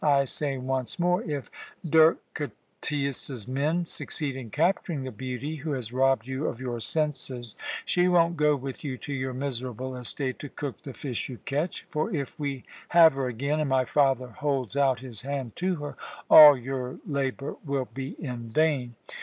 I say once more, if Derketæus's men succeed in capturing the beauty who has robbed you of your senses, she won't go with you to your miserable estate to cook the fish you catch, for if we have her again, and my father holds out his hand to her, all your labour will be in vain.